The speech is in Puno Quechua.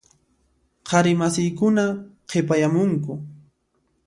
Qhari masiykuna qhipayamunku.